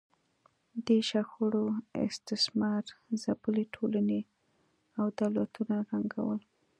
دې شخړو استثمار ځپلې ټولنې او دولتونه ړنګول